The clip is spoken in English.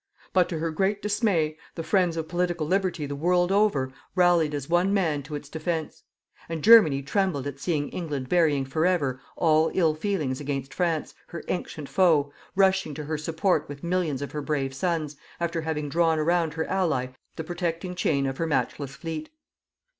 But to her great dismay, the friends of Political Liberty the world over rallied as one man to its defence. And Germany trembled at seeing England burying for ever all ill feelings against France, her ancient foe, rushing to her support with millions of her brave sons, after having drawn around her ally the protecting chain of her matchless fleet.